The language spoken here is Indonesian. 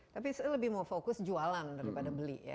tapi saya lebih mau fokus jualan daripada beli ya